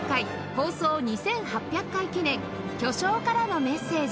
放送２８００回記念「巨匠からの伝達」！